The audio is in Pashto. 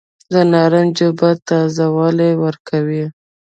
د نارنج اوبه تازه والی ورکوي.